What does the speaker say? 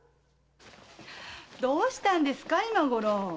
どうしたんですか今ごろ。